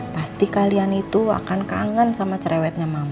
pasti kalian itu akan kangen sama cerewetnya mama